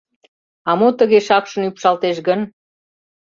А мо тыге шакшын ӱпшалтеш гын?